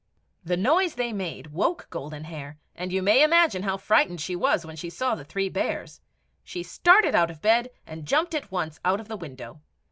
] The noise they made woke Golden Hair, and you may imagine how frightened she was when she saw the three bears. She started out of bed, and jumped at once out of the window.